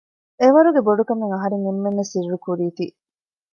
އެވަރުގެ ބޮޑުކަމެއް އަހަރެން އެންމެންނަށް ސިއްރުކުރީތީ